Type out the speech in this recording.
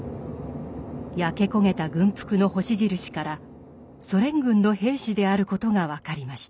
焼け焦げた軍服の星印からソ連軍の兵士であることが分かりました。